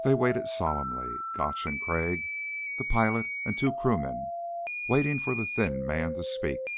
They waited solemnly Gotch and Crag, the pilot, and two crewmen waiting for the thin man to speak.